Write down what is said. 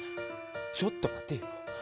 ちょっと待てよ。